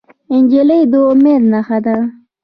نجلۍ د امید نښه ده.